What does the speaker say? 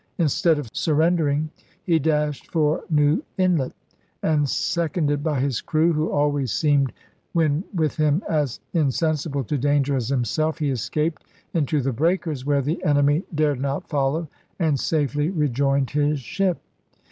In stead of surrendering he dashed for New Inlet ; and, seconded by his crew, who always seemed when with him as insensible to danger as himself, he escaped into the breakers, where the enemy dared not follow, and safely rejoined his ship.